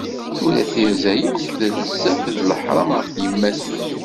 Tura tirza akk d trezzaf d leḥram ɣef tyemmatin.